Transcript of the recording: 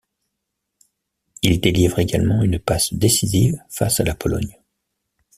Il délivre également une passe décisive face à la Pologne.